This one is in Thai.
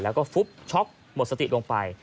แล้วก็ฟุบช็อกหมดสติลงไป